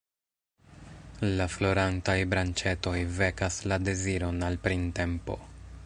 La florantaj branĉetoj vekas la deziron al printempo.